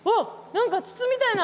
何か筒みたいな。